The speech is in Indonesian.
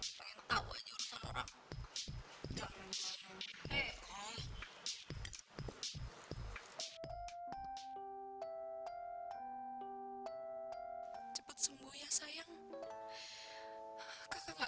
sampai jumpa di video selanjutnya